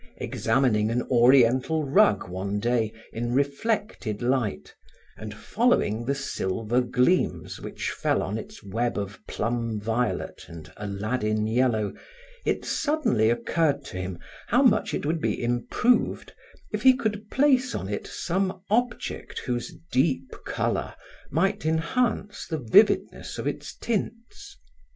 Examining an Oriental rug, one day, in reflected light, and following the silver gleams which fell on its web of plum violet and alladin yellow, it suddenly occurred to him how much it would be improved if he could place on it some object whose deep color might enhance the vividness of its tints.